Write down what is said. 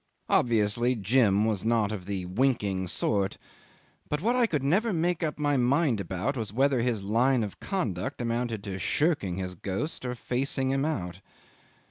Obviously Jim was not of the winking sort; but what I could never make up my mind about was whether his line of conduct amounted to shirking his ghost or to facing him out.